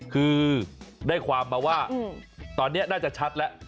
คือได้ความมาว่าตอนนี้น่าจะชัดแล้ว